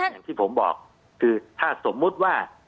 อย่างที่ผมบอกคือถ้าสมมุติว่า